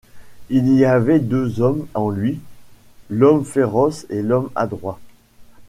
Il y avait deux hommes en lui, l’homme féroce et l’homme adroit.